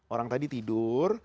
orang tadi tidur